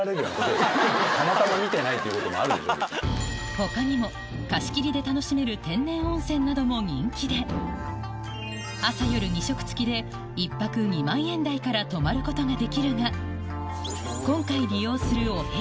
他にも貸し切りで楽しめる天然温泉なども人気で朝夜２食付きで１泊２万円台から泊まることができるがお。